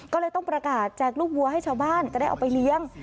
ก็เลยต้องประกาศแจกลูกวัวให้ชาวบ้านจะได้เอาไปเลี้ยง